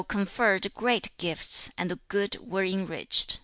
Chau conferred great gifts, and the good were enriched.